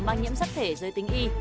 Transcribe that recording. mang nhiễm sắc thể giới tính y